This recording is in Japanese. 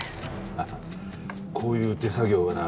ああこういう手作業はな